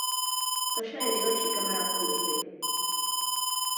Saša je nejlepší kamarádkou Ivy.